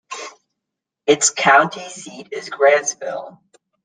Its county seat is Grantsville.